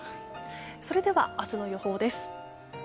それでは明日の予報です。